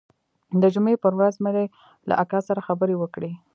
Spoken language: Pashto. د جمعې پر ورځ مې له اکا سره خبرې وکړې.